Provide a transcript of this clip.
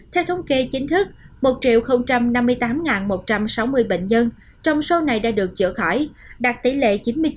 theo thống kê chính thức một năm mươi tám một trăm sáu mươi bệnh nhân trong số này đã được chữa khỏi đạt tỷ lệ chín mươi chín